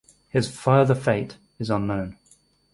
His further fate is unknown.